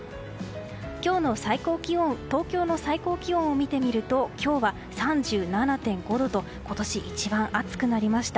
今日の東京の最高気温を見てみると今日は３７．５度と今年一番暑くなりました。